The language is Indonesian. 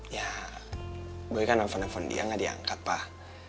ya boy kan telepon telepon dia gak diangkat pak